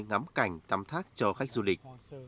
ngắm cảnh tắm thác cho khách du lịch